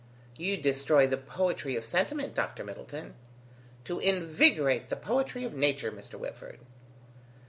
"You destroy the poetry of sentiment, Dr. Middleton." "To invigorate the poetry of nature, Mr. Whitford."